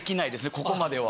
ここまでは。